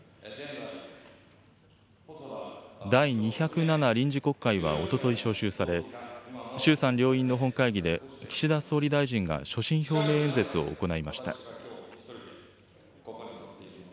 第２０７臨時国会はおととい召集され、衆参両院の本会議で岸田総理大臣が所信表明演説を行いました。